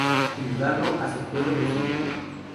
Sin dudarlo, aceptó el ofrecimiento.